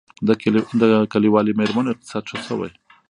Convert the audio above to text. د کلیوالي میرمنو اقتصاد ښه شوی؟